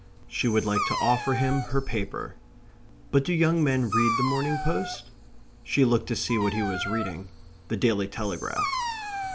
She would like to offer him her paper. But do young men read the Morning Post? She looked to see what he was reading the Daily Telegraph.